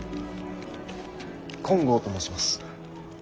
金剛と申します。